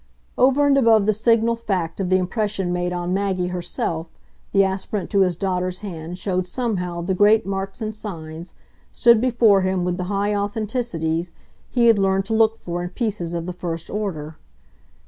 Over and above the signal fact of the impression made on Maggie herself, the aspirant to his daughter's hand showed somehow the great marks and signs, stood before him with the high authenticities, he had learned to look for in pieces of the first order.